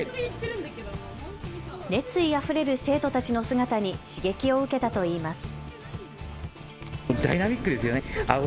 熱意あふれる生徒たちの姿に刺激を受けたといいます。